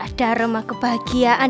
ada aroma kebahagiaan